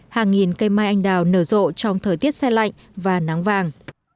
hàng nghìn cây mai anh đào nở rộ trong thời tiết xe lạnh và nắng vàng